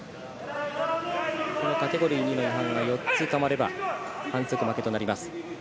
カテゴリー２の違反が４つたまれば反則負けとなります。